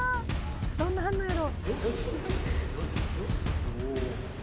「どんな反応やろ？」